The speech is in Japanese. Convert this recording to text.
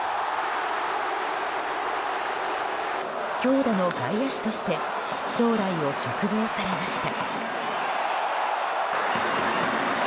強打の外野手として将来を嘱望されました。